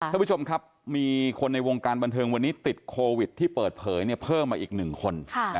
ท่านผู้ชมครับมีคนในวงการบันเทิงวันนี้ติดโควิดที่เปิดเผยเพิ่มมาอีก๑คน